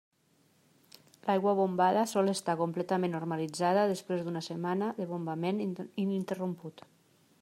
L'aigua bombada sol estar completament normalitzada després d'una setmana de bombament ininterromput.